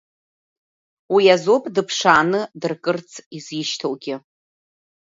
Уи азоуп дыԥшааны дыркырц изишьҭоугьы…